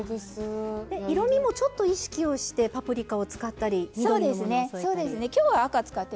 色みもちょっと意識をしてパプリカを使ったり緑のものを添えたり。